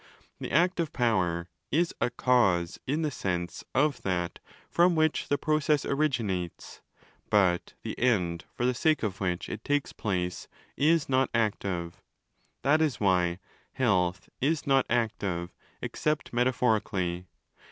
The active power is a 'cause' in the sense of that from which the process originates: but the end, for the sake of 15 which it takes place, is not 'active'. (That is why health is not 'active', except metaphorically.)